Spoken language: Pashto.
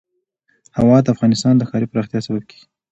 هوا د افغانستان د ښاري پراختیا سبب کېږي.